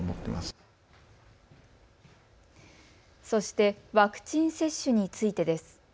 そしてワクチン接種についてです。